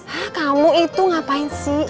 hah kamu itu ngapain sih